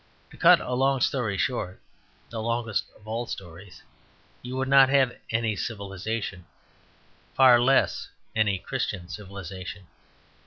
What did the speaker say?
To cut a long story short (the longest of all stories), you would not have any civilization, far less any Christian civilization.